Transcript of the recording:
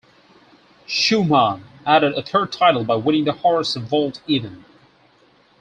Schuhmann added a third title by winning the horse vault event.